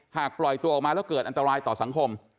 ปล่อยตัวออกมาแล้วเกิดอันตรายต่อสังคม